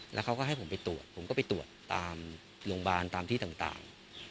แล้วเขาให้ผมไปตรวจตามโรงพยาบาลตามที่ต่าง